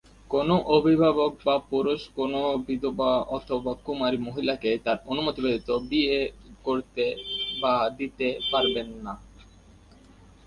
কোনো অভিভাবক বা পুরুষ কোনো বিধবা অথবা কুমারী মহিলাকে তার অনুমতি ব্যতীত বিয়ে করতে বা দিতে পারবে না।